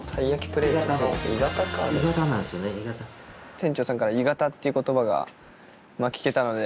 店長さんから鋳型っていう言葉が聞けたので。